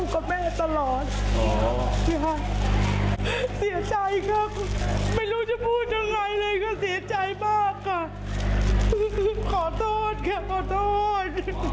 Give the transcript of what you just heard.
เกลียดใจมากค่ะขอโทษแค่ขอโทษ